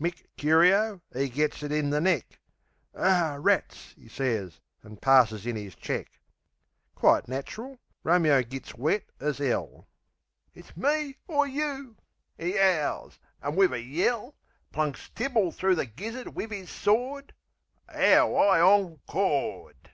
Mick Curio, 'e gets it in the neck, "Ar rats!" 'e sez, an' passes in 'is check. Quite natchril, Romeo gits wet as 'ell. "It's me or you!" 'e 'owls, an' wiv a yell, Plunks Tyball through the gizzard wiv 'is sword, 'Ow I ongcored!